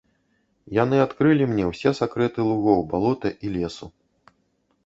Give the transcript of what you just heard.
Яны адкрылі мне ўсе сакрэты лугоў, балота і лесу.